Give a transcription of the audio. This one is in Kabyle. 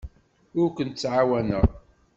Ur kent-ttɛawaneɣ.